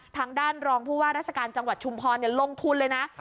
ทางด้านรองผู้ว่าราชการจังหวัดชุมพรลงทุนเลยนะ